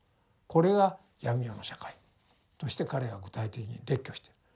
これが闇夜の社会として彼は具体的に列挙している。